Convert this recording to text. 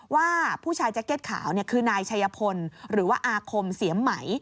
ว่าผู้ชายแจ็คเก็ตขาวคือนายชัยพลหรือว่าอาคมเสียมไหม